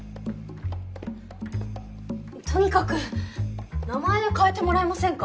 とにかく名前変えてもらえませんか。